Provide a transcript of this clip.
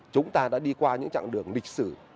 chúng ta đã đi qua những chặng đường lịch sử